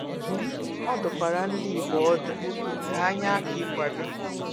Ọ dụkwàrà Ndị Igbo ọdụ ka ha nye aka ịkwàdò